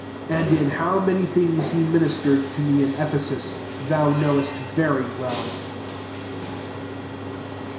And in how many things he ministered to me in Ephesus, thou knowest very well.